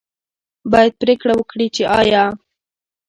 باید پرېکړه وکړي چې آیا